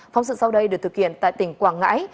phóng sự sau đây được thực hiện tại tỉnh quảng ngãi